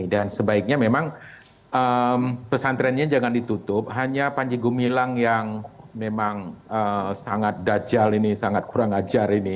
dan sebaiknya memang pesan trennya jangan ditutup hanya pak panji gumilang yang memang sangat dajal ini sangat kurang ajar ini